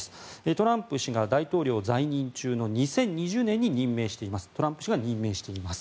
トランプ氏が大統領在任中の２０２０年にトランプ氏が任命しています。